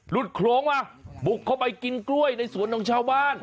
โครงมาบุกเข้าไปกินกล้วยในสวนของชาวบ้าน